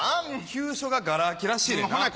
急所ががら空きらしいねんな。